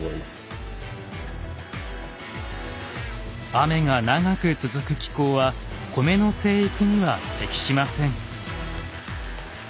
雨が長く続く気候は米の生育には適しません。